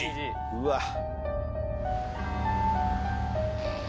うわっ。